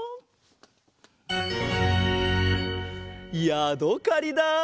やどかりだ！